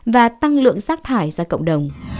và tăng lượng sát thải ra cộng đồng